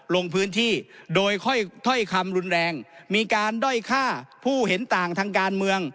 ลงพื้นที่โดยค่อยถ้อยคำรุนแรงมีการด้อยฆ่าผู้เห็นต่างทางการเมือง